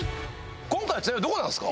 今回はちなみにどこなんですか。